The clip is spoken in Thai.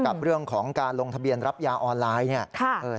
กับเรื่องของการลงทะเบียนรับยาออนไลน์เนี่ย